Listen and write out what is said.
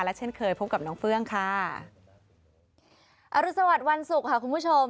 เช่นเคยพบกับน้องเฟื่องค่ะอรุณสวัสดิ์วันศุกร์ค่ะคุณผู้ชม